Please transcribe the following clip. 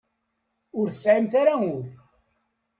Ur tesɛimt ara ul.